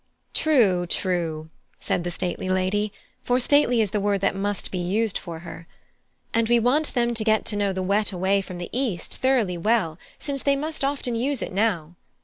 "True, true," said the stately lady, for stately is the word that must be used for her; "and we want them to get to know the wet way from the east thoroughly well, since they must often use it now.